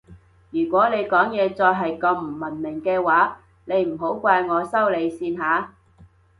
如果你講嘢再係咁唔文明嘅話你唔好怪我收你線吓